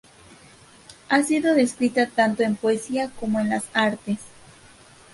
Ha sido descrita tanto en poesía como en las artes.